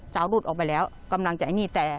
เศร้าหลุดออกไปแล้วกำลังจะให้หนี